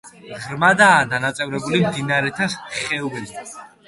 ღრმადაა დანაწევრებული მდინარეთა ხეობებით.